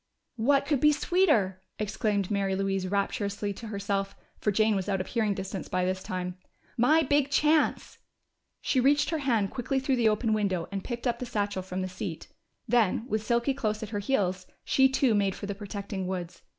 "What could be sweeter!" exclaimed Mary Louise rapturously to herself, for Jane was out of hearing distance by this time. "My big chance!" She reached her hand quickly through the open window and picked up the satchel from the seat. Then, with Silky close at her heels, she too made for the protecting woods.